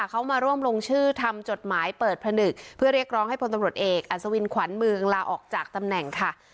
เขามาร่วมลงชื่อทำจดหมายเปิดผนึกเพื่อเรียกร้องให้พลตำรวจเอกอัศวินขวัญเมืองลาออกจากตำแหน่งค่ะ